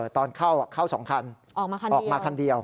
ตอนเข้า๒คันออกมาคันเดียว